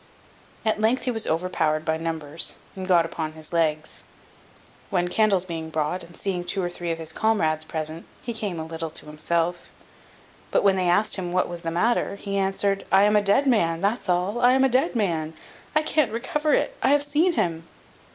At length he was overpowered by numbers, and got upon his legs; when candles being brought, and seeing two or three of his comrades present, he came a little to himself; but when they asked him what was the matter? he answered, "I am a dead man, that's all, I am a dead man, I can't recover it, I have seen him."